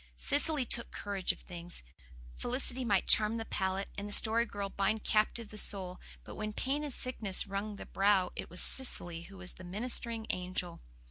Cecily took charge of things. Felicity might charm the palate, and the Story Girl bind captive the soul; but when pain and sickness wrung the brow it was Cecily who was the ministering angel.